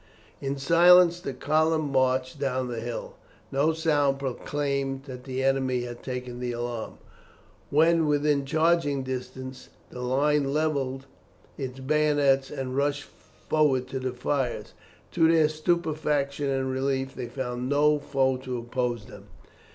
In silence the column marched down the hill. No sound proclaimed that the enemy had taken the alarm. When within charging distance, the line levelled its bayonets and rushed forward to the fires. To their stupefaction and relief, they found no foe to oppose them.